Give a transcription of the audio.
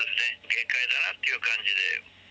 限界だなっていう感じで。